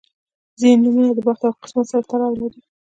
• ځینې نومونه د بخت او قسمت سره تړاو لري.